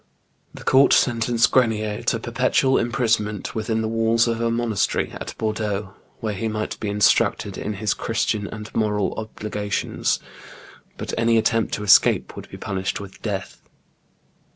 The court sentenced Grenier to perpetual imprisonment within the walls of a monastery at Bordeaux, where he might be instructed in his Christian and moral obligations ; but any attempt to escape would be punished with death.